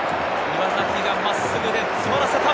岩崎が真っすぐで詰まらせた。